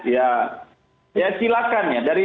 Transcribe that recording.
ya ya silakan ya dari